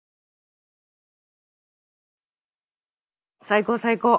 最高最高。